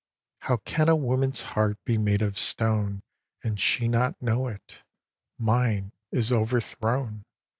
xvii. How can a woman's heart be made of stone And she not know it? Mine is overthrown.